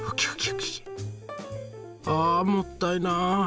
あもったいな。